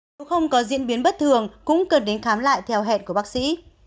nếu không có diễn biến bất thường cũng cần đến khám lại theo hẹn của bác sĩ